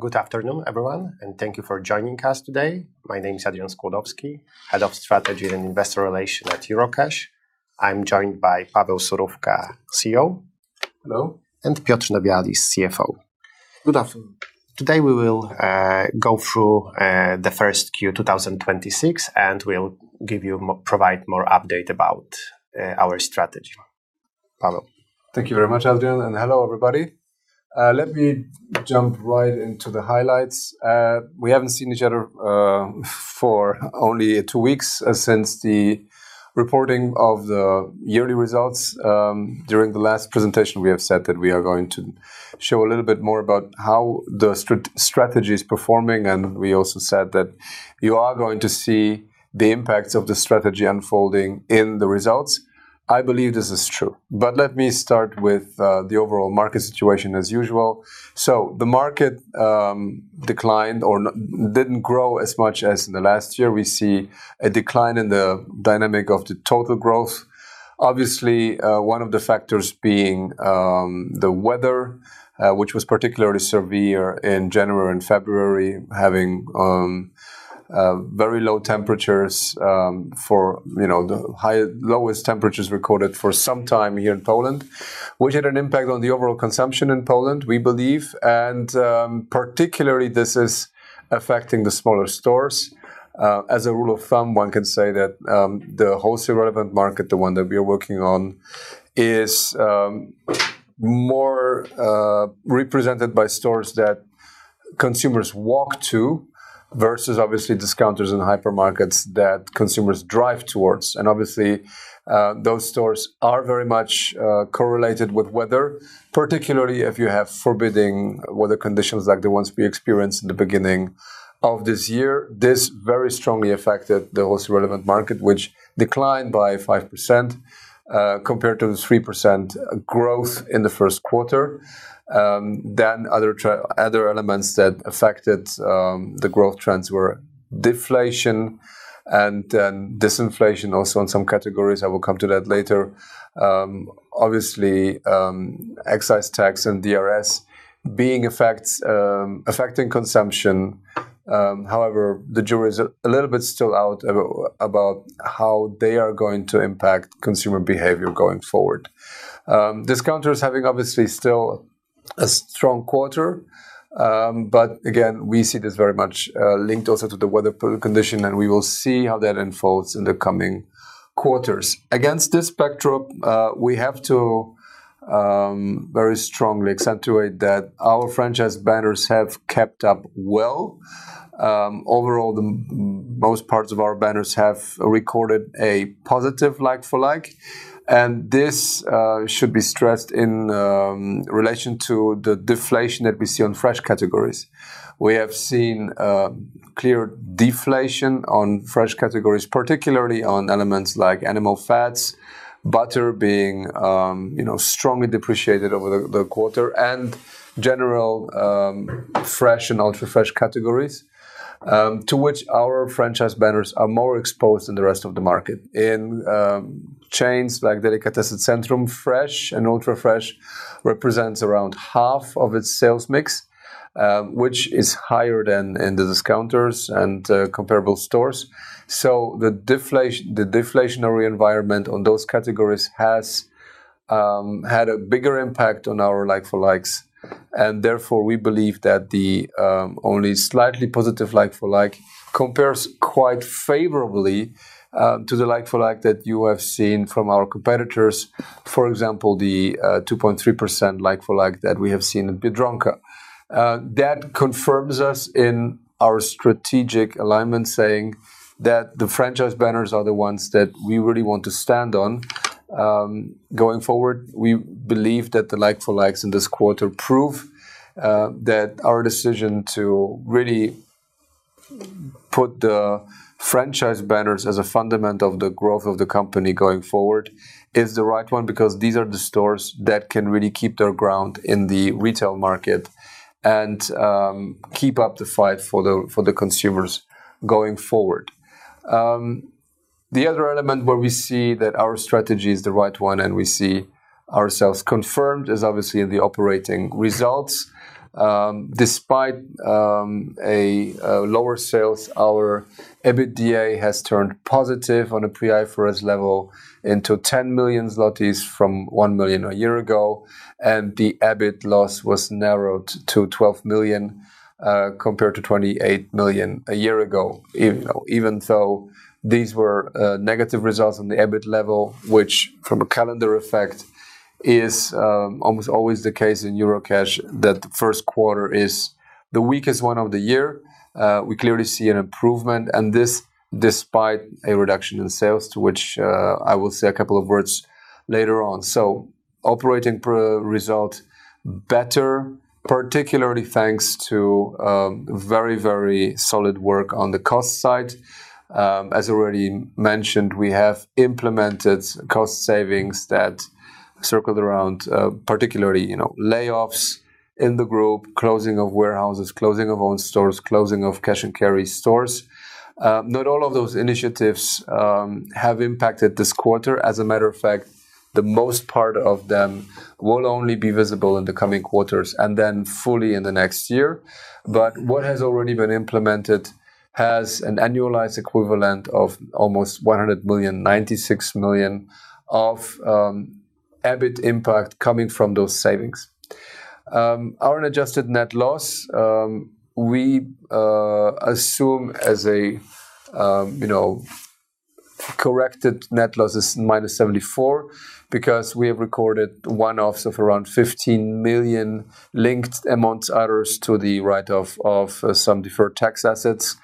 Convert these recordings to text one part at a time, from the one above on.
Good afternoon, everyone, and thank you for joining us today. My name is Adrian Skłodowski, Head of Strategy and Investor Relations at Eurocash. I'm joined by Paweł Surówka, CEO. Hello. Piotr Nowjalis, CFO. Good afternoon. Today, we will go through the first Q1 2026, we'll provide more update about our strategy. Paweł? Thank you very much, Adrian, and hello, everybody. Let me jump right into the highlights. We haven't seen each other for only two weeks since the reporting of the yearly results. During the last presentation, we have said that we are going to show a little bit more about how the strategy is performing, and we also said that you are going to see the impacts of the strategy unfolding in the results. I believe this is true. Let me start with the overall market situation as usual. The market declined or didn't grow as much as in the last year. We see a decline in the dynamic of the total growth. Obviously, one of the factors being the weather, which was particularly severe in January and February, having very low temperatures. The lowest temperatures recorded for some time here in Poland, which had an impact on the overall consumption in Poland, we believe, and particularly, this is affecting the smaller stores. As a rule of thumb, one can say that the wholesale relevant market, the one that we are working on, is more represented by stores that consumers walk to versus obviously discounters and hypermarkets that consumers drive towards. Obviously, those stores are very much correlated with weather, particularly if you have forbidding weather conditions like the ones we experienced in the beginning of this year. This very strongly affected the wholesale relevant market, which declined by 5% compared to the 3% growth in the first quarter. Other elements that affected the growth trends were deflation and disinflation also in some categories. I will come to that later. Obviously, excise tax and DRS affecting consumption. However, the jury is a little bit still out about how they are going to impact consumer behavior going forward. Discounters having obviously still a strong quarter. Again, we see this very much linked also to the weather condition, and we will see how that unfolds in the coming quarters. Against this backdrop, we have to very strongly accentuate that our franchise banners have kept up well. Overall, the most parts of our banners have recorded a positive like-for-like, and this should be stressed in relation to the deflation that we see on fresh categories. We have seen clear deflation on fresh categories, particularly on elements like animal fats, butter being strongly depreciated over the quarter and general fresh and ultra-fresh categories, to which our franchise banners are more exposed than the rest of the market. In chains like Delikatesy i Centrum, fresh and ultra-fresh represents around half of its sales mix, which is higher than in the discounters and comparable stores. The deflationary environment on those categories has had a bigger impact on our like-for-likes, and therefore, we believe that the only slightly positive like-for-like compares quite favorably to the like-for-like that you have seen from our competitors. For example, the 2.3% like-for-like that we have seen in Biedronka. That confirms us in our strategic alignment, saying that the franchise banners are the ones that we really want to stand on. Going forward, we believe that the like-for-likes in this quarter prove that our decision to really put the franchise banners as a fundament of the growth of the company going forward is the right one, because these are the stores that can really keep their ground in the retail market and keep up the fight for the consumers going forward. The other element where we see that our strategy is the right one and we see ourselves confirmed is obviously in the operating results. Despite lower sales, our EBITDA has turned positive on a pre-IFRS level into 10 million zlotys from 1 million a year ago, and the EBIT loss was narrowed to 12 million, compared to 28 million a year ago. Even though these were negative results on the EBIT level, which from a calendar effect is almost always the case in Eurocash, that the first quarter is the weakest one of the year. We clearly see an improvement, and this despite a reduction in sales, to which I will say a couple of words later on. Operating result better, particularly thanks to very solid work on the cost side. As already mentioned, we have implemented cost savings that circled around, particularly, layoffs in the group, closing of warehouses, closing of owned stores, closing of Cash & Carry stores. Not all of those initiatives have impacted this quarter. As a matter of fact, the most part of them will only be visible in the coming quarters and then fully in the next year. What has already been implemented Has an annualized equivalent of almost 100 million, 96 million of EBIT impact coming from those savings. Our adjusted net loss, we assume as a corrected net loss is -74 million, because we have recorded one-offs of around 15 million linked amongst others to the write-off of some deferred tax assets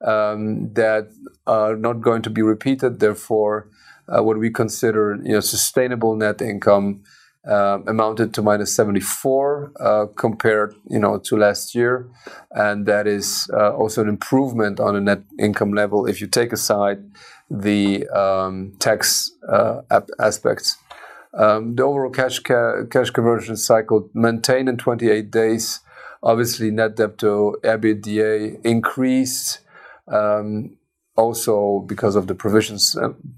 that are not going to be repeated. Therefore, what we consider sustainable net income amounted to -74 million, compared to last year, and that is also an improvement on a net income level if you take aside the tax aspects. The overall cash conversion cycle maintained in 28 days, obviously net debt to EBITDA increased also because of the provisions.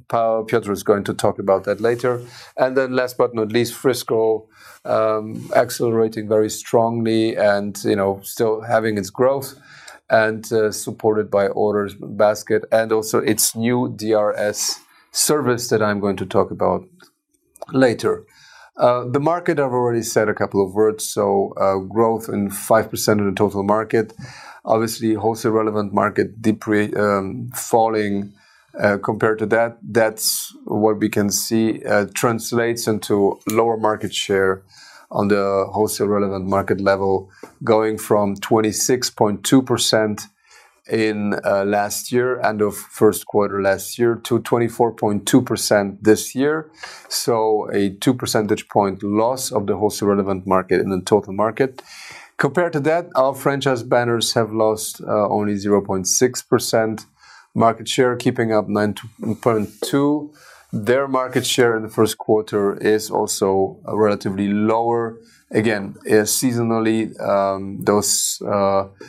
Piotr is going to talk about that later. Last but not least, Frisco accelerating very strongly and still having its growth and supported by orders, basket, and also its new DRS service that I'm going to talk about later. The market, I've already said a couple of words, growth in 5% of the total market. Obviously, wholesale-relevant market falling compared to that. That's what we can see translates into lower market share on the wholesale-relevant market level, going from 26.2% end of first quarter last year to 24.2% this year. A two percentage point loss of the wholesale-relevant market in the total market. Compared to that, our franchise banners have lost only 0.6% market share, keeping up 9.2%. Their market share in the first quarter is also relatively lower. Seasonally, those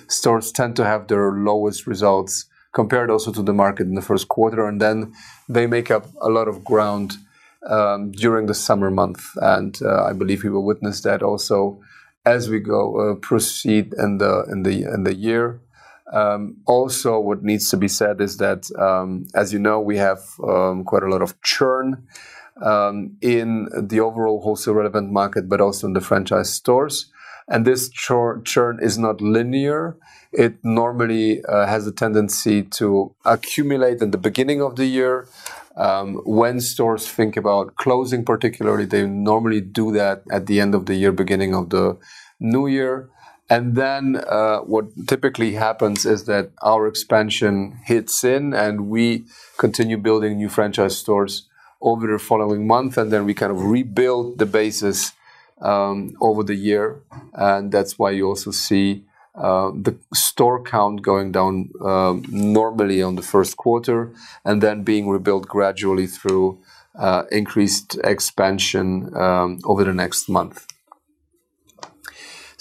stores tend to have their lowest results compared also to the market in the first quarter, then they make up a lot of ground during the summer month. I believe we will witness that also as we proceed in the year. What needs to be said is that, as you know, we have quite a lot of churn in the overall wholesale-relevant market, but also in the franchise stores. This churn is not linear. It normally has a tendency to accumulate in the beginning of the year. When stores think about closing particularly, they normally do that at the end of the year, beginning of the new year. What typically happens is that our expansion hits in, and we continue building new franchise stores over the following month, then we rebuild the basis over the year. That's why you also see the store count going down normally on the first quarter, then being rebuilt gradually through increased expansion over the next month.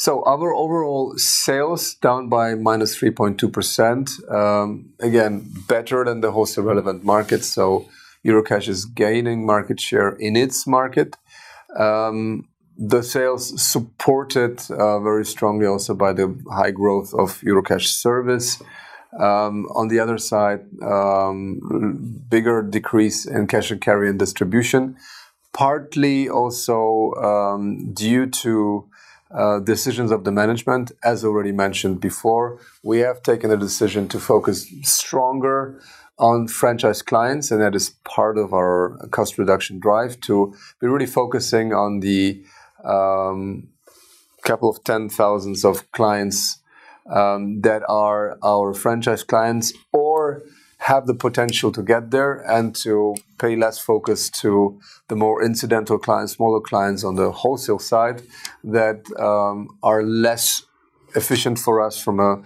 Our overall sales down by -3.2%. Better than the wholesale-relevant market, Eurocash is gaining market share in its market. The sales supported very strongly also by the high growth of Eurocash Serwis. On the other side, bigger decrease in Cash & Carry and distribution, partly also due to decisions of the management, as already mentioned before. We have taken a decision to focus stronger on franchise clients, that is part of our cost reduction drive to be really focusing on the couple of 10,000s of clients that are our franchise clients or have the potential to get there and to pay less focus to the more incidental clients, smaller clients on the wholesale side that are less efficient for us from a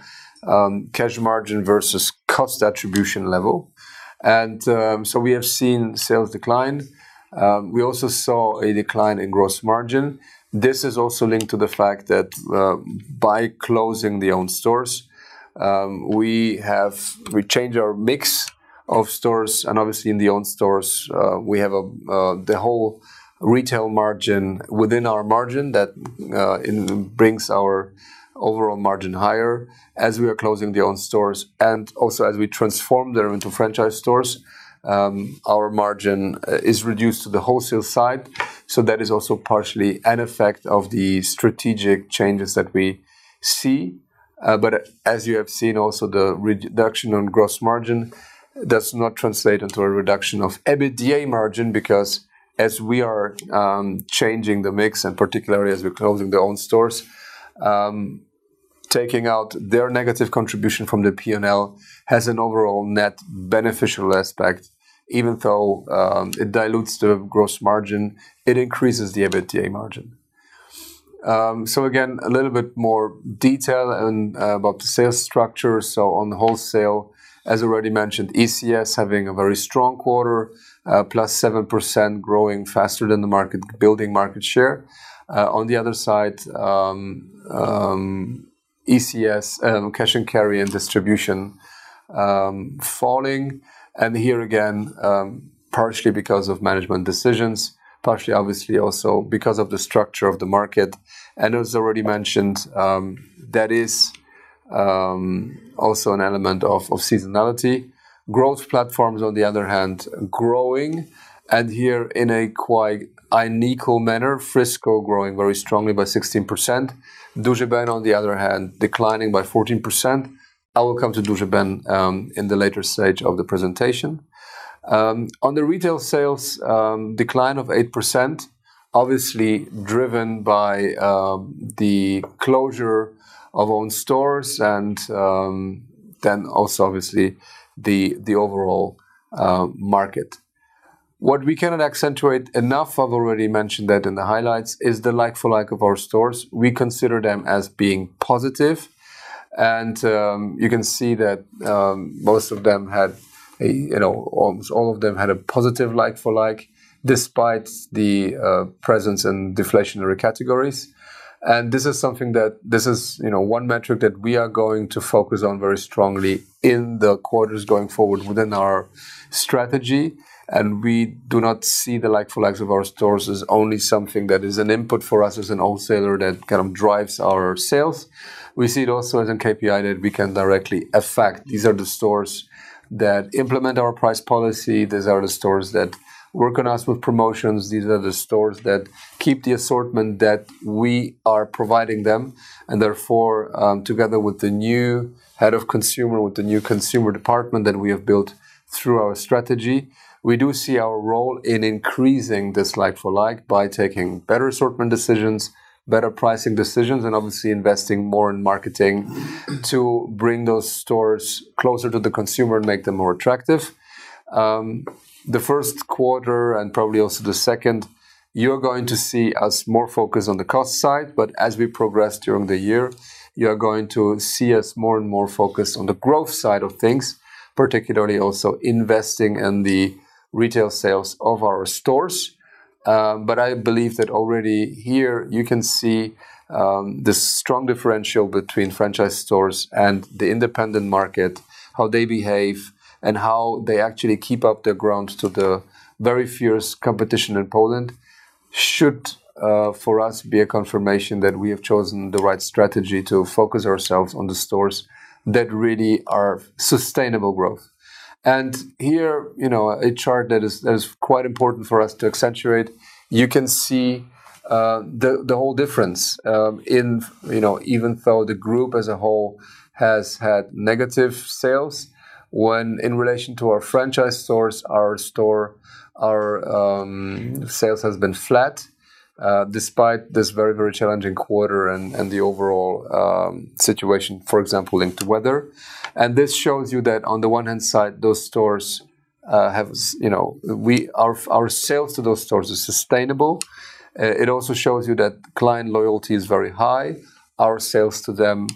cash margin versus cost attribution level. We have seen sales decline. We also saw a decline in gross margin. This is also linked to the fact that by closing the owned stores, we changed our mix of stores, and obviously in the owned stores, we have the whole retail margin within our margin that brings our overall margin higher. As we are closing the owned stores and also as we transform them into franchise stores, our margin is reduced to the wholesale side. That is also partially an effect of the strategic changes that we see. As you have seen also, the reduction on gross margin does not translate into a reduction of EBITDA margin because as we are changing the mix, and particularly as we're closing the owned stores, taking out their negative contribution from the P&L has an overall net beneficial aspect. Even though it dilutes the gross margin, it increases the EBITDA margin. A little bit more detail about the sales structure. On the wholesale, as already mentioned, ECS having a very strong quarter, +7%, growing faster than the market, building market share. On the other side, Cash & Carry and distribution falling. Here again, partially because of management decisions, partially obviously also because of the structure of the market. As already mentioned, that is an element of seasonality. Growth platforms, on the other hand, growing, and here in a quite unique manner. Frisco growing very strongly by 16%. Duży Ben, on the other hand, declining by 14%. I will come to Duży Ben in the later stage of the presentation. On the retail sales decline of 8%, obviously driven by the closure of own stores and then also, obviously, the overall market. What we cannot accentuate enough, I've already mentioned that in the highlights, is the like-for-like of our stores. We consider them as being positive. You can see that almost all of them had a positive like-for-like despite the presence in deflationary categories. This is one metric that we are going to focus on very strongly in the quarters going forward within our strategy, we do not see the like-for-likes of our stores as only something that is an input for us as a wholesaler that kind of drives our sales. We see it also as a KPI that we can directly affect. These are the stores that implement our price policy, these are the stores that work on us with promotions, these are the stores that keep the assortment that we are providing them. Therefore, together with the new head of consumer, with the new consumer department that we have built through our strategy, we do see our role in increasing this like-for-like by taking better assortment decisions, better pricing decisions, and obviously investing more in marketing to bring those stores closer to the consumer and make them more attractive. The first quarter and probably also the second, you're going to see us more focused on the cost side, but as we progress during the year, you are going to see us more and more focused on the growth side of things, particularly also investing in the retail sales of our stores. I believe that already here you can see the strong differential between franchise stores and the independent market, how they behave, and how they actually keep up their ground to the very fierce competition in Poland should, for us, be a confirmation that we have chosen the right strategy to focus ourselves on the stores that really are sustainable growth. Here, a chart that is quite important for us to accentuate. You can see the whole difference. Even though the group as a whole has had negative sales, when in relation to our franchise stores, our sales has been flat, despite this very challenging quarter and the overall situation, for example, linked to weather. This shows you that on the one-hand side, our sales to those stores is sustainable. It also shows you that client loyalty is very high. Our sales to them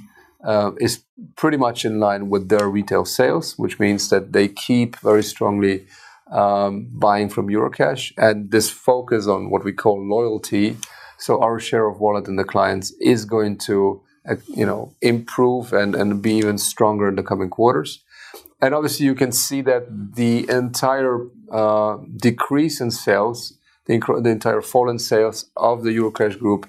is pretty much in line with their retail sales, which means that they keep very strongly buying from Eurocash. This focus on what we call loyalty, so our share of wallet in the clients is going to improve and be even stronger in the coming quarters. Obviously, you can see that the entire decrease in sales, the entire fall in sales of the Eurocash Group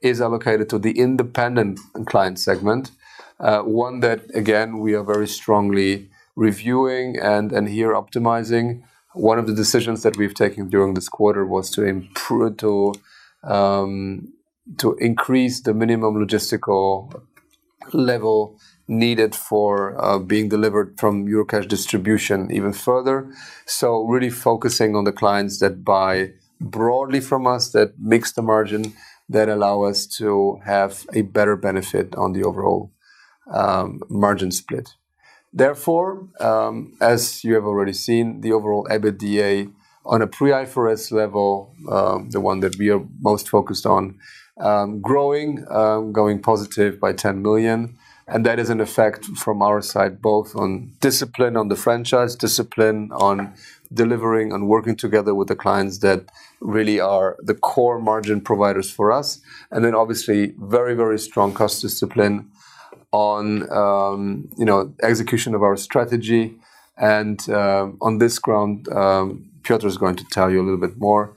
is allocated to the independent client segment. One that, again, we are very strongly reviewing and here optimizing. One of the decisions that we've taken during this quarter was to increase the minimum logistical level needed for being delivered from Eurocash distribution even further. Really focusing on the clients that buy broadly from us, that mix the margin, that allow us to have a better benefit on the overall margin split. Therefore, as you have already seen, the overall EBITDA on a pre-IFRS level, the one that we are most focused on, growing, going positive by 10 million, that is an effect from our side, both on discipline, on the franchise discipline, on delivering and working together with the clients that really are the core margin providers for us. Obviously, very strong cost discipline on execution of our strategy. On this ground, Piotr is going to tell you a little bit more,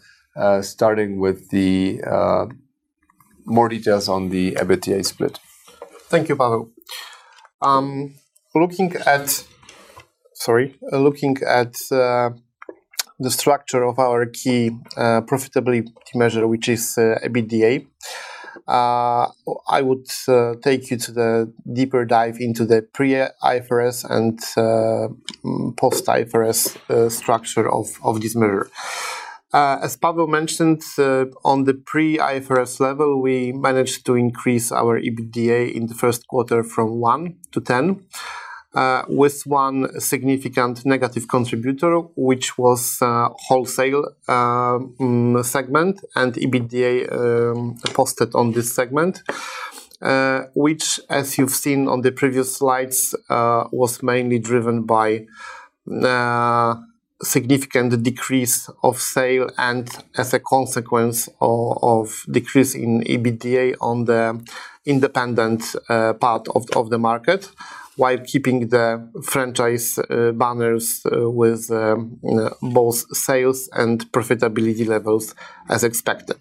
starting with the more details on the EBITDA split. Thank you, Paweł. Looking at the structure of our key profitability measure, which is EBITDA, I would take you to the deeper dive into the pre-IFRS and post-IFRS structure of this measure. As Paweł mentioned, on the pre-IFRS level, we managed to increase our EBITDA in the first quarter from one to 10, with one significant negative contributor, which was wholesale segment and EBITDA posted on this segment, which, as you've seen on the previous slides, was mainly driven by the significant decrease of sale and as a consequence of decrease in EBITDA on the independent part of the market, while keeping the franchise banners with both sales and profitability levels as expected.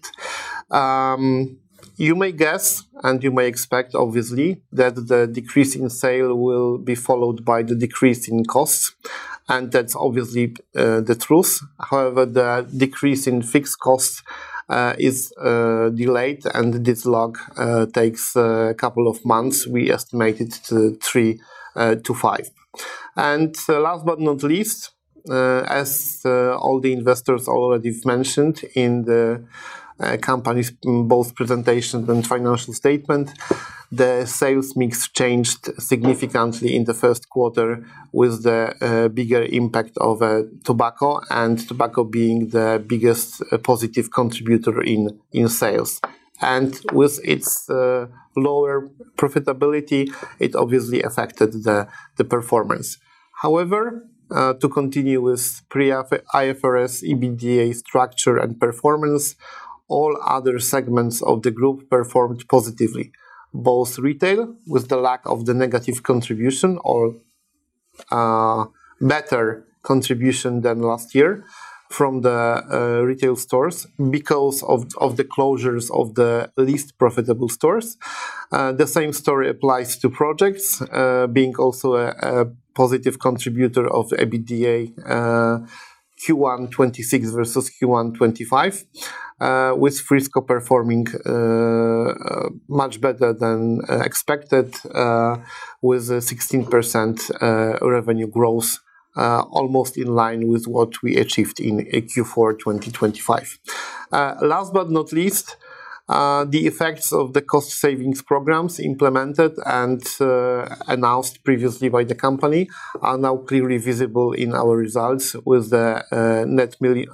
You may guess, you may expect, obviously, that the decrease in sale will be followed by the decrease in costs, that's obviously the truth. However, the decrease in fixed costs is delayed, this lag takes a couple of months. We estimate it to three to five. Last but not least, as all the investors already mentioned in the company's both presentations and financial statement, the sales mix changed significantly in the first quarter with the bigger impact of tobacco being the biggest positive contributor in sales. With its lower profitability, it obviously affected the performance. However, to continue with pre-IFRS, EBITDA structure and performance, all other segments of the group performed positively, both retail, with the lack of the negative contribution or better contribution than last year from the retail stores because of the closures of the least profitable stores. The same story applies to projects, being also a positive contributor of EBITDA Q1 2026 versus Q1 2025, with Frisco performing much better than expected, with a 16% revenue growth almost in line with what we achieved in Q4 2025. Last but not least, the effects of the cost savings programs implemented and announced previously by the company are now clearly visible in our results with the net 9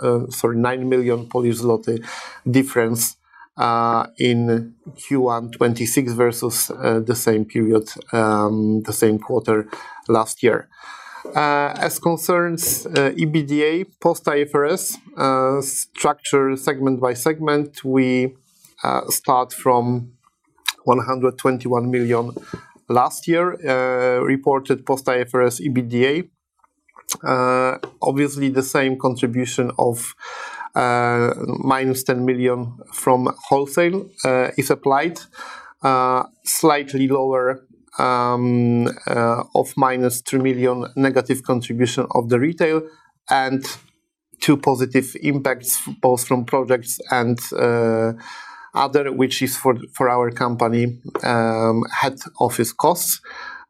million Polish zloty difference, in Q1 2026 versus the same quarter last year. As concerns EBITDA post-IFRS, structure segment by segment, we start from 121 million last year, reported post-IFRS EBITDA. Obviously, the same contribution of minus 10 million from wholesale, is applied slightly lower, of minus 3 million negative contribution of the retail and two positive impacts, both from projects and other, which is for our company, head office costs.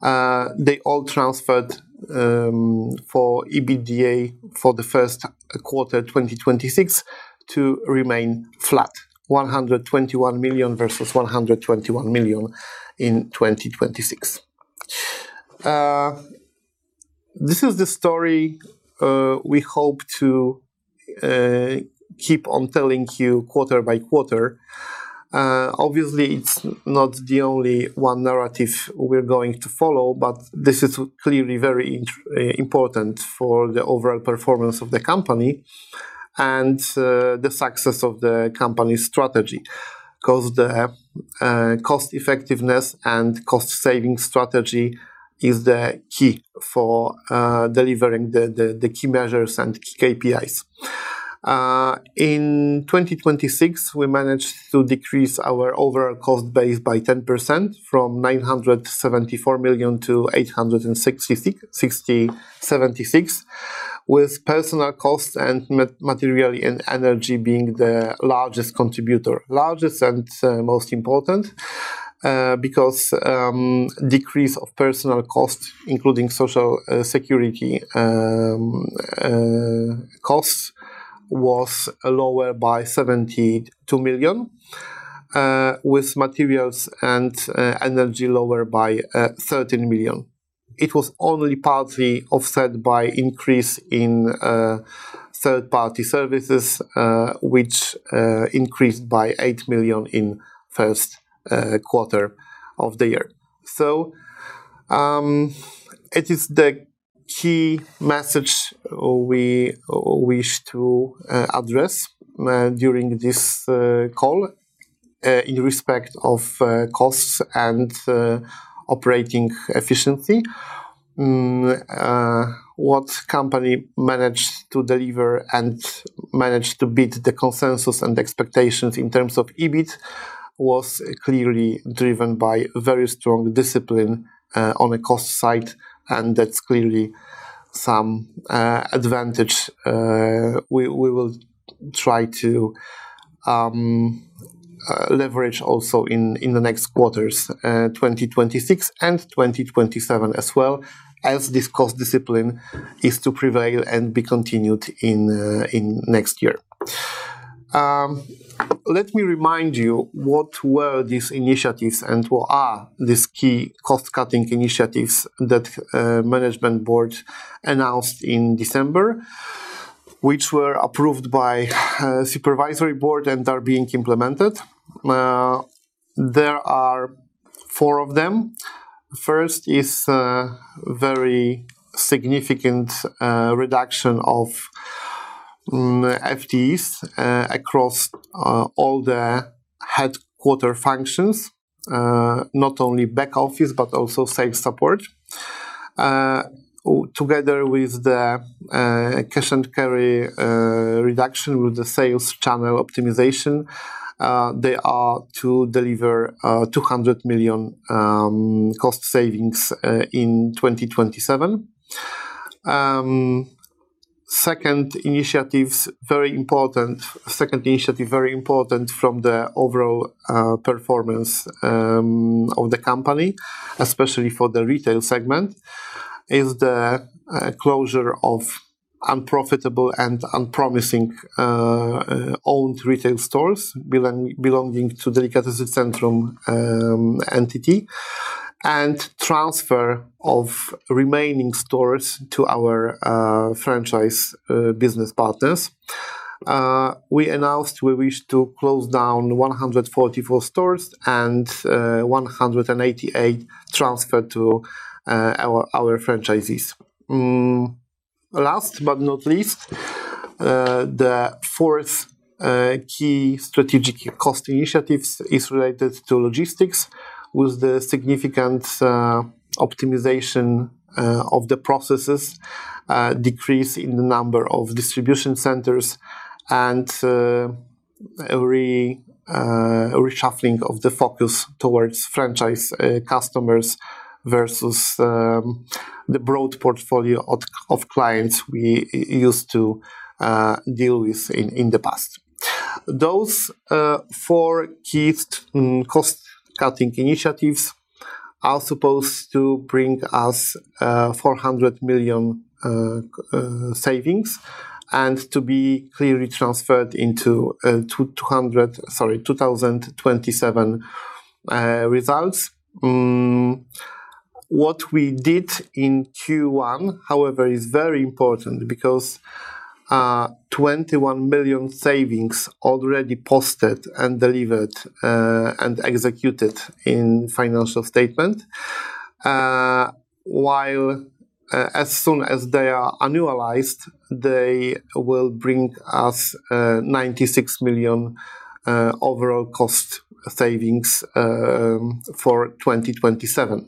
They all transferred for EBITDA for the first quarter 2026 to remain flat, 121 million versus 121 million in 2026. This is the story we hope to keep on telling you quarter by quarter. Obviously, it's not the only one narrative we're going to follow, but this is clearly very important for the overall performance of the company and the success of the company's strategy. Because the cost effectiveness and cost savings strategy is the key for delivering the key measures and key KPIs. In 2026, we managed to decrease our overall cost base by 10%, from 974 million to 860.76, with personnel cost and material and energy being the largest contributor. Largest and most important, because decrease of personnel cost, including Social Security costs, was lower by 72 million, with materials and energy lower by 13 million. It was only partly offset by increase in third-party services, which increased by 8 million in first quarter of the year. It is the key message we wish to address during this call, in respect of costs and operating efficiency. What company managed to deliver and managed to beat the consensus and expectations in terms of EBIT was clearly driven by very strong discipline on the cost side and that's clearly some advantage. We will try to leverage also in the next quarters, 2026 and 2027 as well as this cost discipline is to prevail and be continued in next year. Let me remind you what were these initiatives and what are these key cost-cutting initiatives that Management Board announced in December, which were approved by Supervisory Board and are being implemented. There are four of them. First is very significant reduction of FTEs across all the headquarter functions. Not only back office, but also sales support, together with the Cash & Carry reduction with the sales channel optimization, they are to deliver 200 million cost savings in 2027. Second initiative, very important from the overall performance of the company, especially for the retail segment, is the closure of unprofitable and unpromising owned retail stores belonging to Delikatesy Centrum entity, and transfer of remaining stores to our franchise business partners. We announced we wish to close down 144 stores and 188 transferred to our franchises. Last but not least, the fourth key strategic cost initiatives is related to logistics with the significant optimization of the processes, decrease in the number of distribution centers and a reshuffling of the focus towards franchise customers versus the broad portfolio of clients we used to deal with in the past. Those four key cost-cutting initiatives are supposed to bring us 400 million savings and to be clearly transferred into 2027 results. What we did in Q1, however, is very important because 21 million savings already posted and delivered and executed in financial statement. While as soon as they are annualized, they will bring us 96 million overall cost savings for 2027.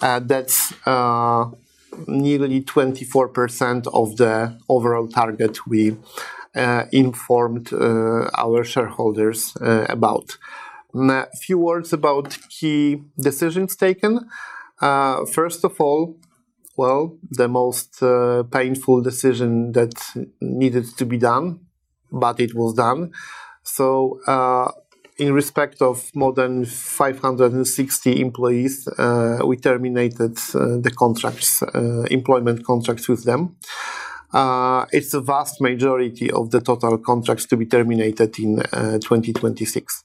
That's nearly 24% of the overall target we informed our shareholders about. A few words about key decisions taken. First of all, well, the most painful decision that needed to be done, but it was done. In respect of more than 560 employees, we terminated the employment contracts with them. It's a vast majority of the total contracts to be terminated in 2026.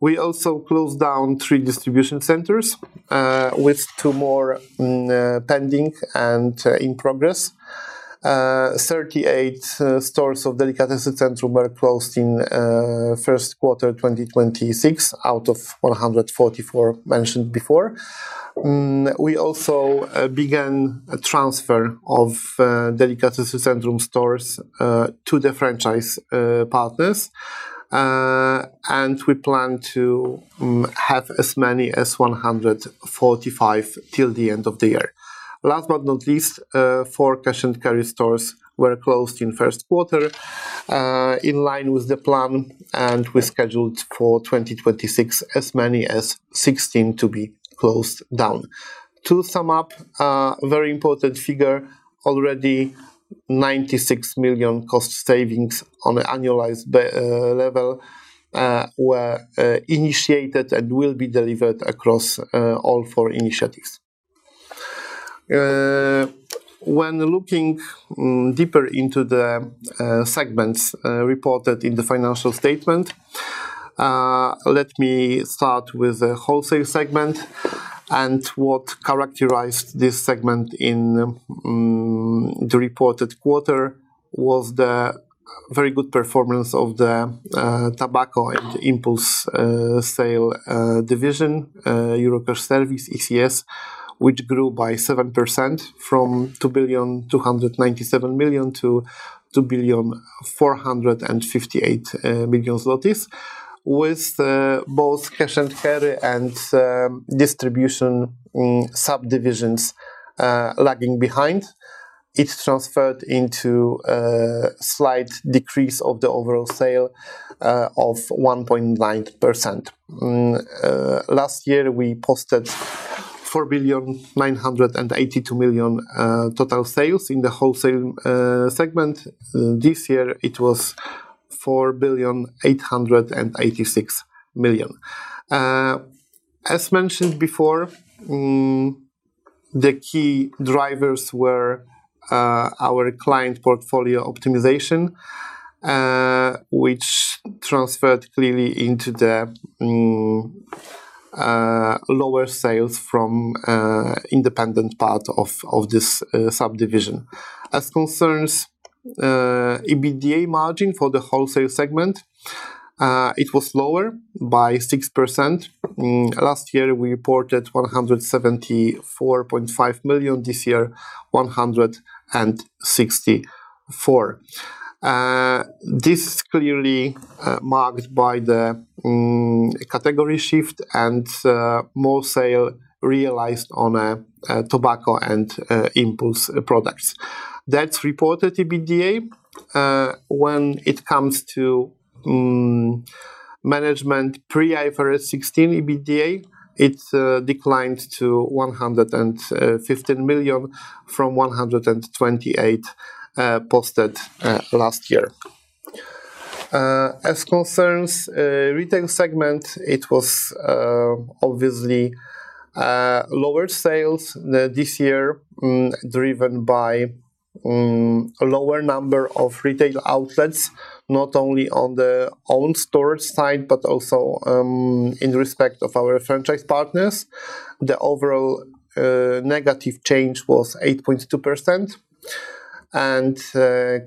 We also closed down three distribution centers, with two more pending and in progress. 38 stores of Delikatesy Centrum were closed in first quarter 2026 out of 144 mentioned before. We also began a transfer of Delikatesy Centrum stores to the franchise partners, and we plan to have as many as 145 till the end of the year. Last but not least, four Cash & Carry stores were closed in first quarter, in line with the plan and we scheduled for 2026 as many as 16 to be closed down. To sum up, a very important figure, already 96 million cost savings on an annualized level were initiated and will be delivered across all four initiatives. When looking deeper into the segments reported in the financial statement, let me start with the wholesale segment and what characterized this segment in the reported quarter was the very good performance of the tobacco and impulse sale division, Eurocash Serwis, ECS, which grew by 7% from 2,297,000,000 to 2,458,000,000 zlotys with both Cash & Carry and distribution subdivisions lagging behind. It transferred into a slight decrease of the overall sale of 1.9%. Last year, we posted 4,982,000,000 total sales in the wholesale segment. This year it was 4,886,000,000. As mentioned before, the key drivers were our client portfolio optimization, which transferred clearly into the lower sales from independent part of this subdivision. As concerns EBITDA margin for the wholesale segment, it was lower by 6%. Last year we reported 174.5 million, this year 164 million. This is clearly marked by the category shift and more sale realized on tobacco and impulse products. That's reported EBITDA. When it comes to management pre-IFRS 16 EBITDA, it declined to 115 million from 128 million posted last year. As concerns retail segment, it was obviously lower sales this year, driven by lower number of retail outlets, not only on the own storage side, but also in respect of our franchise partners. The overall negative change was 8.2%, and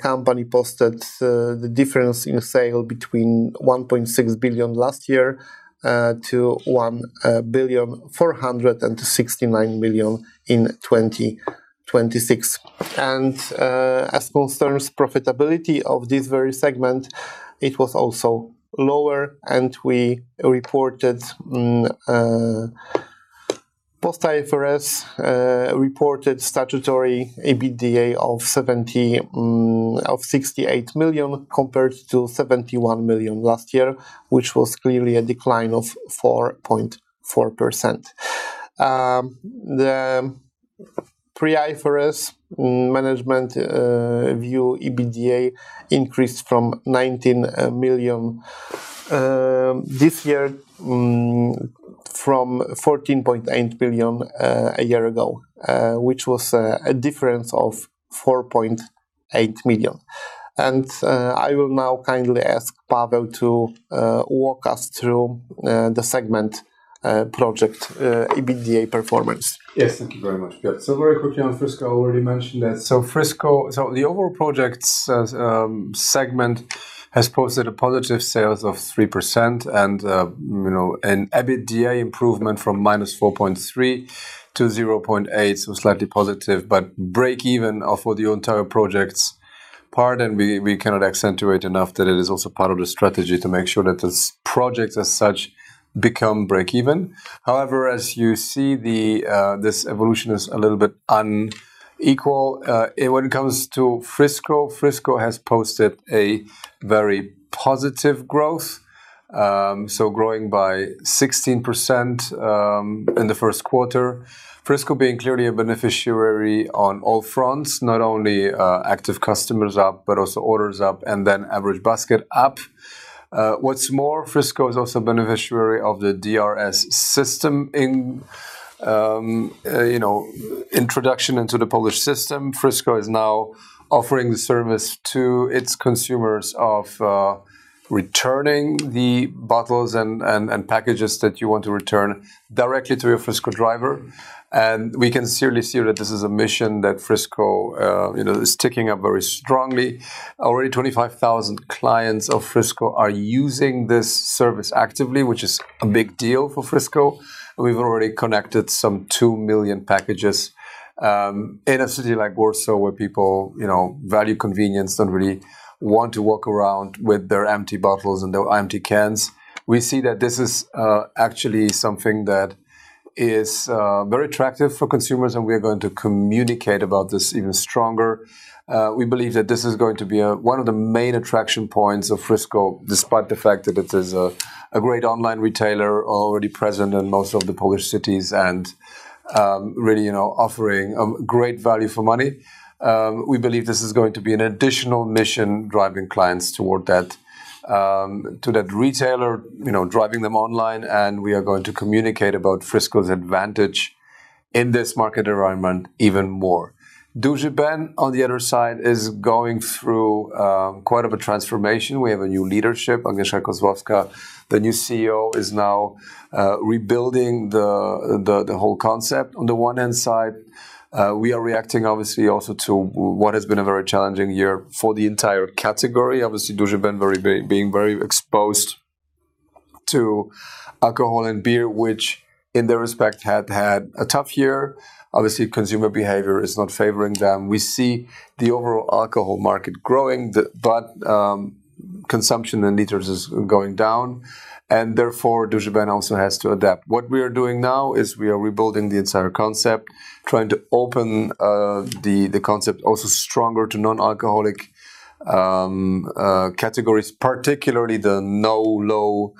company posted the difference in sale between 1.6 billion last year to 1,469,000,000 in 2026. As concerns profitability of this very segment, it was also lower and we reported post-IFRS reported statutory EBITDA of 68 million compared to 71 million last year, which was clearly a decline of 4.4%. The pre-IFRS management view EBITDA increased from 19 million this year from 14.8 million a year ago, which was a difference of 4.8 million. I will now kindly ask Paweł to walk us through the segment project EBITDA performance. Yes, thank you very much, Piotr. Very quickly on Frisco, already mentioned that. The overall projects segment has posted a positive sales of 3% and an EBITDA improvement from -4.3 million to 0.8 million, slightly positive, but break-even for the entire projects part, we cannot accentuate enough that it is also part of the strategy to make sure that this project as such become break-even. However, as you see, this evolution is a little bit unequal. When it comes to Frisco has posted a very positive growth, growing by 16% in the first quarter. Frisco being clearly a beneficiary on all fronts, not only active customers up, but also orders up and then average basket up. What's more, Frisco is also beneficiary of the DRS system. In introduction into the Polish system, Frisco is now offering the service to its consumers of returning the bottles and packages that you want to return directly to a Frisco driver. We can clearly see that this is a mission that Frisco is taking up very strongly. Already 25,000 clients of Frisco are using this service actively, which is a big deal for Frisco. We've already connected some 2 million packages. In a city like Warsaw, where people value convenience, don't really want to walk around with their empty bottles and their empty cans, we see that this is actually something that is very attractive for consumers, we are going to communicate about this even stronger. We believe that this is going to be one of the main attraction points of Frisco, despite the fact that it is a great online retailer, already present in most of the Polish cities and really offering a great value for money. We believe this is going to be an additional mission driving clients toward that, to that retailer, driving them online, we are going to communicate about Frisco's advantage in this market environment even more. Duży Ben, on the other side, is going through quite of a transformation. We have a new leadership. Agnieszka Kozłowska, the new CEO, is now rebuilding the whole concept. On the one hand side, we are reacting obviously also to what has been a very challenging year for the entire category. Obviously, Duży Ben being very exposed to alcohol and beer, which in their respect had a tough year. Obviously, consumer behavior is not favoring them. We see the overall alcohol market growing, but consumption in liters is going down, therefore Duży Ben also has to adapt. What we are doing now is we are rebuilding the entire concept, trying to open the concept also stronger to non-alcoholic categories, particularly the NoLo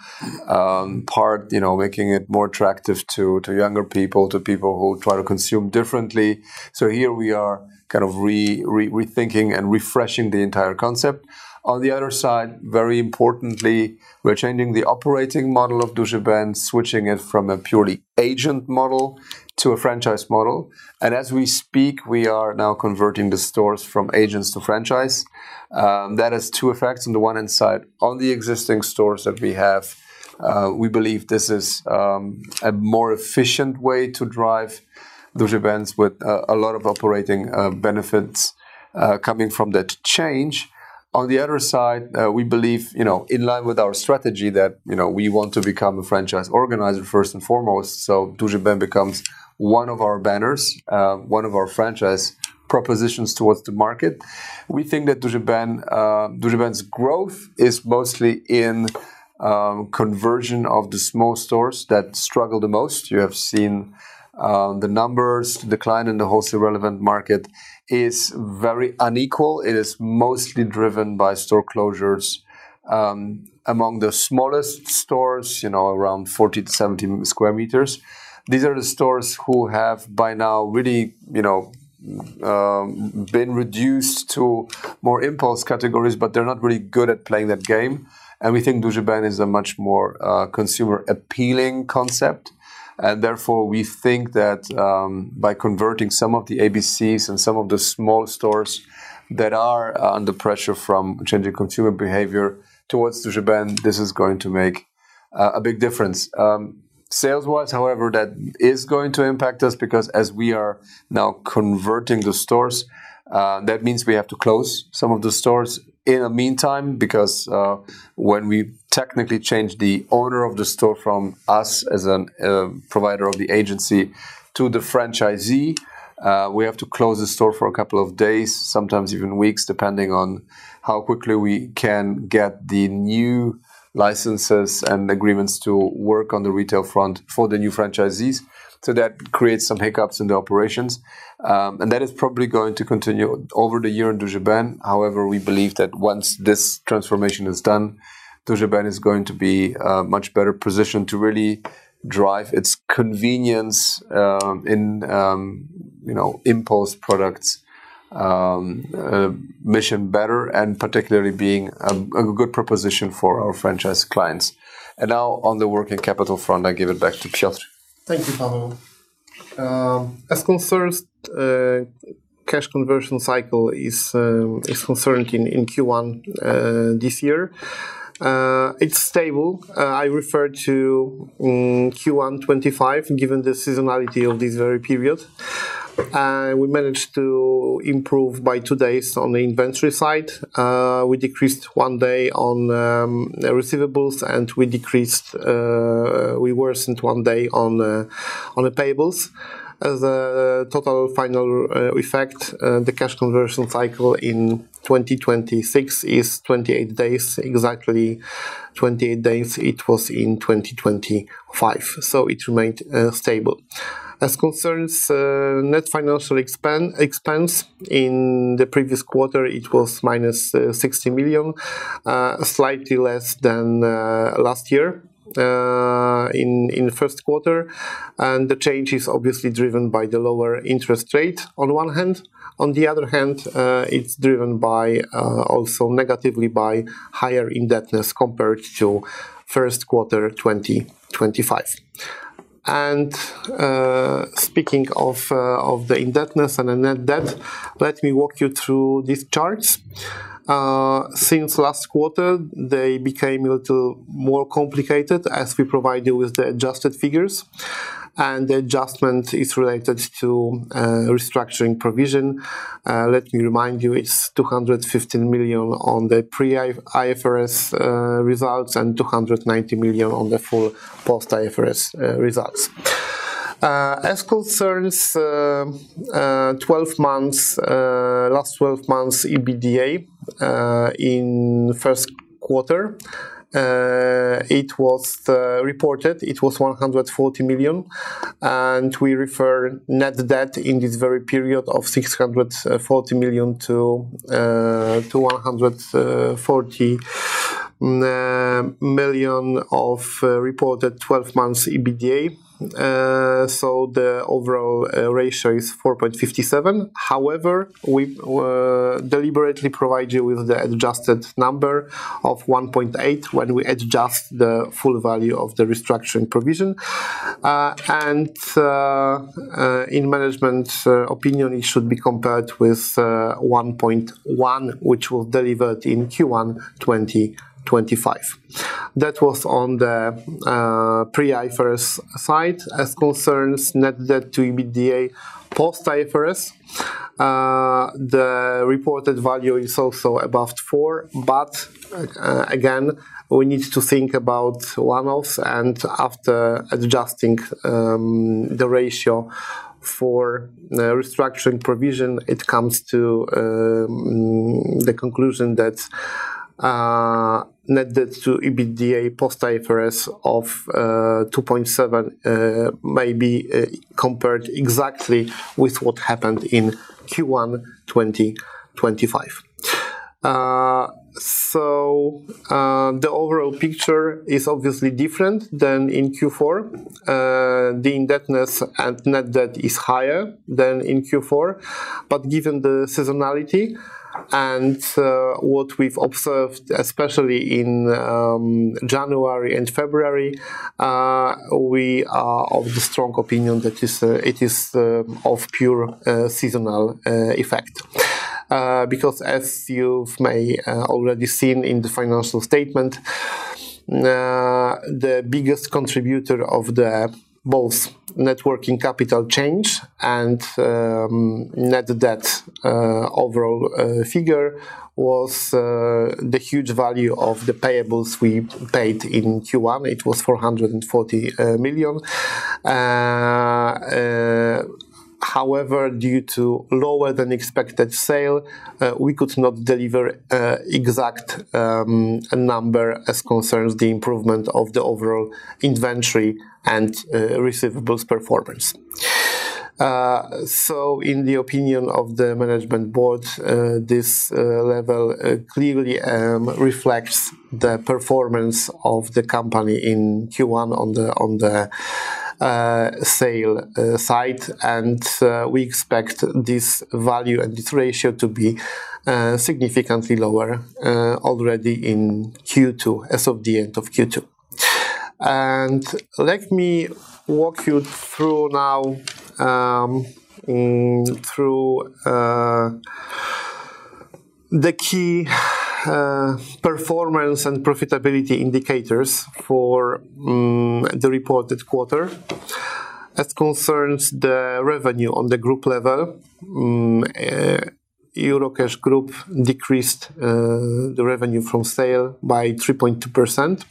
part, making it more attractive to younger people, to people who try to consume differently. Here we are kind of rethinking and refreshing the entire concept. On the other side, very importantly, we are changing the operating model of Duży Ben, switching it from a purely agent model to a franchise model. As we speak, we are now converting the stores from agents to franchise. That has two effects. On the one hand side, on the existing stores that we have, we believe this is a more efficient way to drive Duży Ben with a lot of operating benefits coming from that change. On the other side, we believe, in line with our strategy, that we want to become a franchise organizer first and foremost, Duży Ben becomes one of our banners, one of our franchise propositions towards the market. We think that Duży Ben's growth is mostly in conversion of the small stores that struggle the most. You have seen the numbers decline in the wholesale relevant market is very unequal. It is mostly driven by store closures among the smallest stores, around 40 to 70 sq m. These are the stores who have by now really, been reduced to more impulse categories, but they are not really good at playing that game. We think Duży Ben is a much more consumer-appealing concept. Therefore, we think that by converting some of the abc and some of the small stores that are under pressure from changing consumer behavior towards Duży Ben, this is going to make a big difference. Sales-wise, however, that is going to impact us because as we are now converting the stores, that means we have to close some of the stores in the meantime. Because when we technically change the owner of the store from us as a provider of the agency to the franchisee, we have to close the store for a couple of days, sometimes even weeks, depending on how quickly we can get the new licenses and agreements to work on the retail front for the new franchisees. That creates some hiccups in the operations. That is probably going to continue over the year in Duży Ben. However, we believe that once this transformation is done, Duży Ben is going to be much better positioned to really drive its convenience in impulse products mission better, and particularly being a good proposition for our franchise clients. Now on the working capital front, I give it back to Piotr. Thank you, Paweł. Cash conversion cycle is concerned in Q1 this year, it is stable. I refer to Q1 2025, given the seasonality of this very period. We managed to improve by 2 days on the inventory side. We decreased 1 day on receivables, we worsened 1 day on the payables. As a total final effect, the cash conversion cycle in 2026 is 28 days, exactly 28 days it was in 2025. It remained stable. Net financial expense, in the previous quarter, it was -60 million, slightly less than last year in Q1. The change is obviously driven by the lower interest rate on 1 hand. On the other hand, it is driven also negatively by higher indebtedness compared to Q1 2025. Speaking of the indebtedness and the net debt, let me walk you through these charts. Since last quarter, they became a little more complicated as we provide you with the adjusted figures. The adjustment is related to restructuring provision. Let me remind you, it is 215 million on the pre-IFRS results and 290 million on the full post-IFRS results. Last 12 months EBITDA in Q1, it was reported, it was 140 million, we refer net debt in this very period of 640 million to 140 million of reported 12 months EBITDA. The overall ratio is 4.57. However, we deliberately provide you with the adjusted number of 1.8 when we adjust the full value of the restructuring provision. In management opinion, it should be compared with 1.1, which was delivered in Q1 2025. That was on the pre-IFRS side. Net Debt to EBITDA post IFRS, the reported value is also above 4, but again, we need to think about one-offs, after adjusting the ratio for the restructuring provision, it comes to the conclusion that Net Debt to EBITDA post IFRS of 2.7 may be compared exactly with what happened in Q1 2025. The overall picture is obviously different than in Q4. The indebtedness and net debt is higher than in Q4. Given the seasonality and what we have observed, especially in January and February, we are of the strong opinion that it is of pure seasonal effect. As you have may already seen in the financial statement The biggest contributor of both networking capital change and net debt overall figure was the huge value of the payables we paid in Q1. It was 440 million. However, due to lower than expected sales, we could not deliver exact number as concerns the improvement of the overall inventory and receivables performance. In the opinion of the management board, this level clearly reflects the performance of the company in Q1 on the sales side, we expect this value and this ratio to be significantly lower already in Q2, as of the end of Q2. Let me walk you through now the key performance and profitability indicators for the reported quarter. The revenue on the Eurocash Group level, Eurocash Group decreased the revenue from sales by 3.2%,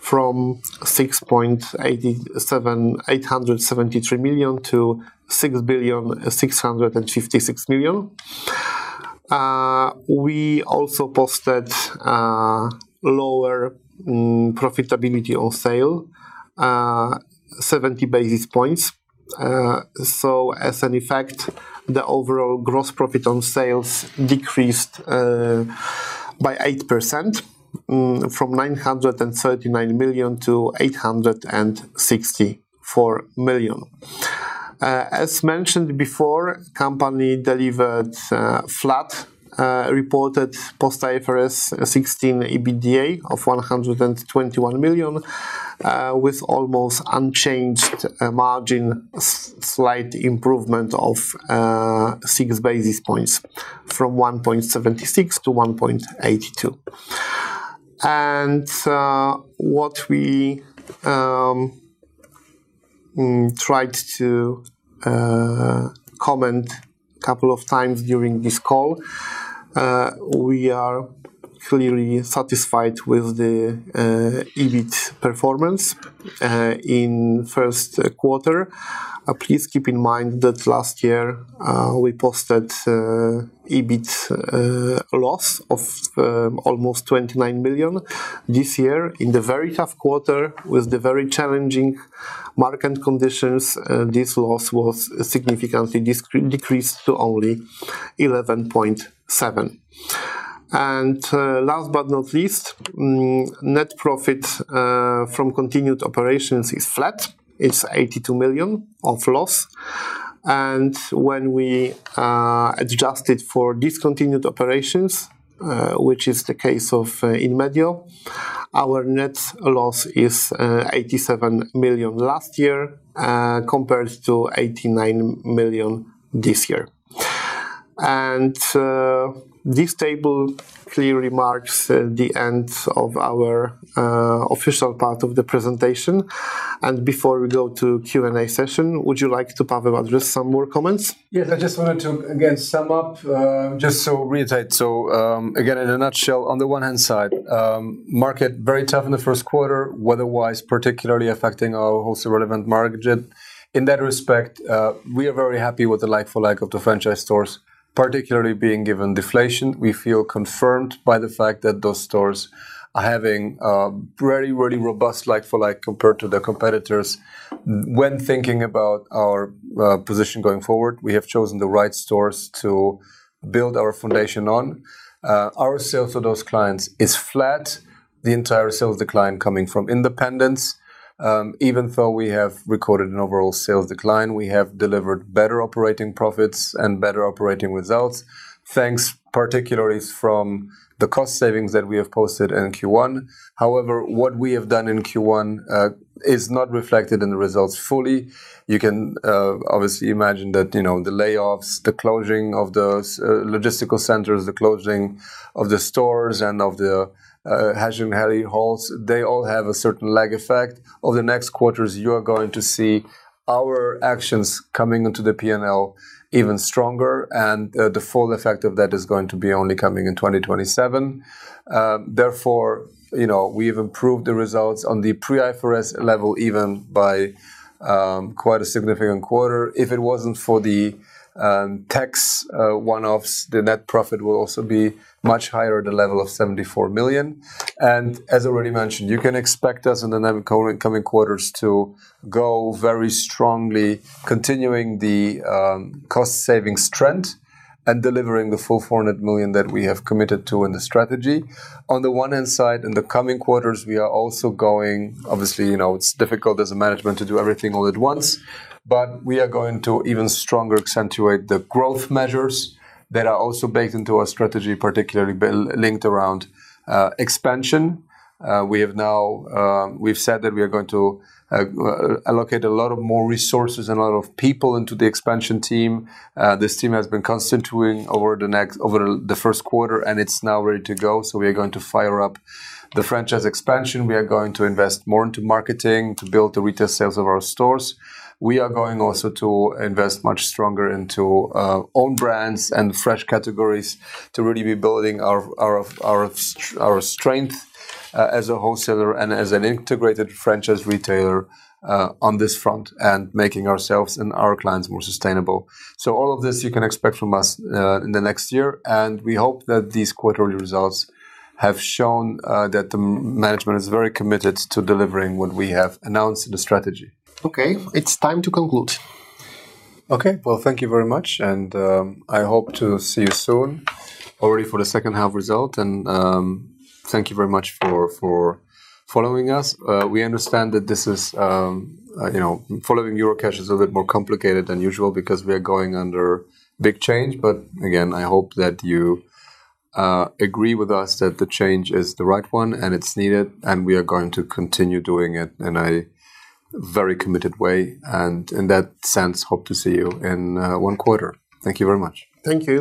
from 6,873 million to 6,656 million. We also posted lower profitability on sales, 70 basis points. As an effect, the overall gross profit on sales decreased by 8%, from 939 million to 864 million. As mentioned before, company delivered flat reported post IFRS 16 EBITDA of 121 million, with almost unchanged margin, slight improvement of six basis points, from 1.76% to 1.82%. What we tried to comment couple of times during this call, we are clearly satisfied with the EBIT performance in first quarter. Please keep in mind that last year we posted EBIT loss of almost 29 million. This year, in the very tough quarter, with the very challenging market conditions, this loss was significantly decreased to only 11.7 million. Last but not least, net profit from continued operations is flat. It's 82 million of loss. When we adjust it for discontinued operations, which is the case of Inmedio, our net loss is 87 million last year, compares to 89 million this year. This table clearly marks the end of our official part of the presentation. Before we go to Q&A session, would you like to, Paweł, address some more comments? Yes, I just wanted to, again, sum up, just to reiterate. Again, in a nutshell, on the one hand side, market very tough in the first quarter, weather-wise, particularly affecting our wholesale relevant margin. In that respect, we are very happy with the like-for-like of the franchise stores, particularly being given deflation. We feel confirmed by the fact that those stores are having a very, really robust like-for-like compared to their competitors. When thinking about our position going forward, we have chosen the right stores to build our foundation on. Our sales to those clients is flat, the entire sales decline coming from independents. Even though we have recorded an overall sales decline, we have delivered better operating profits and better operating results, thanks particularly from the cost savings that we have posted in Q1. However, what we have done in Q1 is not reflected in the results fully. You can obviously imagine that the layoffs, the closing of those logistical centers, the closing of the stores and of the Hajduki halls, they all have a certain lag effect. Over the next quarters, you are going to see our actions coming into the P&L even stronger, and the full effect of that is going to be only coming in 2027. Therefore, we've improved the results on the pre-IFRS level, even by quite a significant quarter. If it wasn't for the tax one-offs, the net profit will also be much higher at the level of 74 million. As already mentioned, you can expect us in the coming quarters to go very strongly, continuing the cost savings trend and delivering the full 400 million that we have committed to in the strategy. On the one hand side, in the coming quarters, obviously, it's difficult as a management to do everything all at once, but we are going to even stronger accentuate the growth measures that are also baked into our strategy, particularly linked around expansion. We've said that we are going to allocate a lot of more resources and a lot of people into the expansion team. This team has been concentrating over the first quarter, and it's now ready to go. We are going to fire up the franchise expansion. We are going to invest more into marketing to build the retail sales of our stores. We are going also to invest much stronger into own brands and fresh categories to really be building our strength as a wholesaler and as an integrated franchise retailer on this front, and making ourselves and our clients more sustainable. All of this you can expect from us in the next year. We hope that these quarterly results have shown that the management is very committed to delivering what we have announced in the strategy. Okay. It's time to conclude. Okay. Well, thank you very much. I hope to see you soon, already for the second half result. Thank you very much for following us. We understand that following Eurocash is a bit more complicated than usual because we are going under big change. Again, I hope that you agree with us that the change is the right one and it's needed. We are going to continue doing it in a very committed way. In that sense, hope to see you in one quarter. Thank you very much. Thank you.